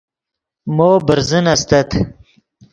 مو برزن استت